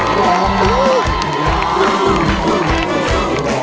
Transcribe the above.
ทำไมเรียกมาเข้าตามืดเหลือ